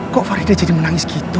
kok farida jadi menangis gitu